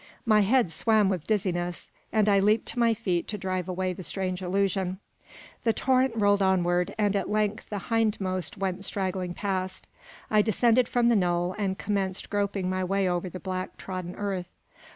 My head swam with dizziness, and I leaped to my feet to drive away the strange illusion. The torrent rolled onward, and at length the hindmost went straggling past. I descended from the knoll, and commenced groping my way over the black, trodden earth.